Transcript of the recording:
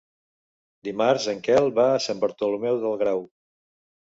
Dimarts en Quel va a Sant Bartomeu del Grau.